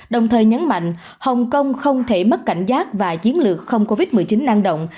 đồng thời nhấn mạnh hồng kông không thể mất cảnh giác và chiến lược không covid một mươi chín năng động